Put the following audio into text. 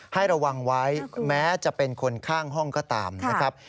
ให้ระวังไว้แม้จะเป็นคนข้างห้องก็ตามนะครับ